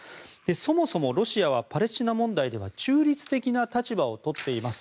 そもそもロシアはパレスチナ問題では中立的な立場をとっています。